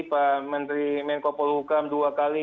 pak menteri menko polhukam dua kali